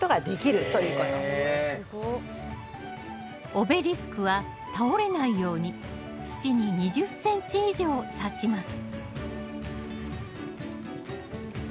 オベリスクは倒れないように土に２０ｃｍ以上さします